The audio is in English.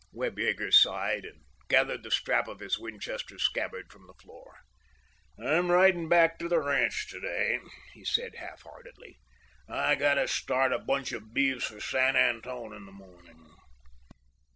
Webb Yeager sighed, and gathered the strap of his Winchester scabbard from the floor. "I'm ridin' back to the ranch to day," he said half heartedly. "I've got to start a bunch of beeves for San Antone in the morning."